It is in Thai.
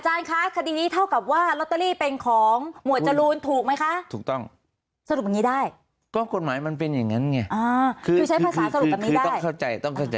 เลยคุณคะคดีนี้เท่ากับว่าลอตเตอรี่เป็นของหมวดจรูโนคาร์ถูกมั้ยคะ